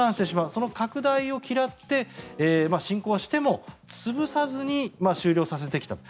その拡大を嫌って侵攻はしても潰さずに終了させてきたと。